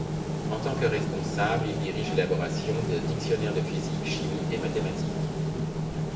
En tant que responsable, il dirige l'élaboration de dictionnaires de physique, chimie et mathématiques.